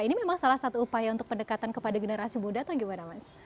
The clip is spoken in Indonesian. ini memang salah satu upaya untuk pendekatan kepada generasi muda atau gimana mas